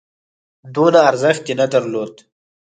دونه ارزښت یې نه درلود.